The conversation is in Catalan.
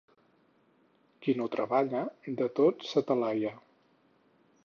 Qui no treballa, de tot s'atalaia.